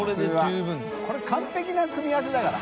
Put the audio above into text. これ完璧な組み合わせだから。